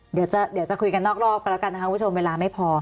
เดี๋ยวจะคุยกันนอกรอบกันแล้วกันนะคะคุณผู้ชมเวลาไม่พอ